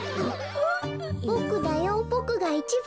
「ボクだよボクが一番」。